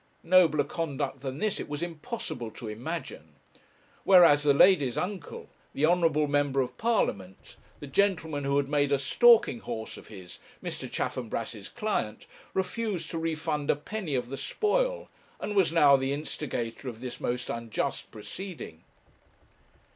Nobler conduct than this it was impossible to imagine. Whereas, the lady's uncle, the honourable member of Parliament, the gentleman who had made a stalking horse of his, Mr. Chaffanbrass's, client, refused to refund a penny of the spoil, and was now the instigator of this most unjust proceeding.